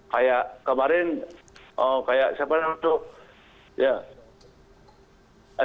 kayak kemarin oh kayak siapa itu ya